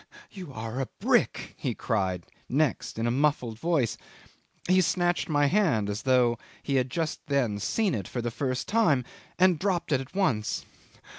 ... "You are a brick!" he cried next in a muffled voice. He snatched my hand as though he had just then seen it for the first time, and dropped it at once.